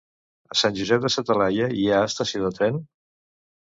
A Sant Josep de sa Talaia hi ha estació de tren?